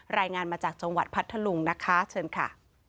รายงานมาจากจังหวัดพัทธลุงนะคะเชิญค่ะ